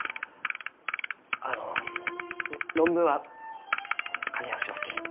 あの論文は書き直しますき。